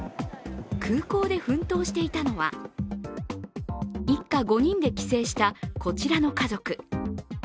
空港で奮闘していたのは一家５人で帰省したこちらの家族。